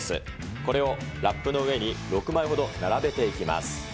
これをラップの上に６枚ほど並べていきます。